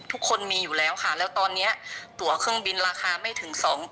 ทุกคนมีอยู่แล้วค่ะแล้วตอนนี้ตัวเครื่องบินราคาไม่ถึง๒๐๐